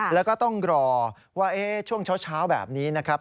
แล้วก็ต้องรอว่าช่วงเช้าแบบนี้นะครับ